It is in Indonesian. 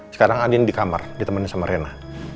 sekarang andin di kamar ditemani sama rena